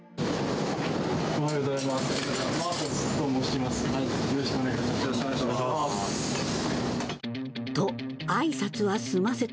おはようございます。